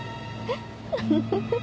フフフフ。